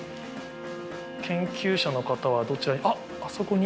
研究者の方は、どちらに。